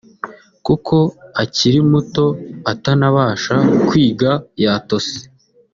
kuko akiri muto atanabasha kwiga yatose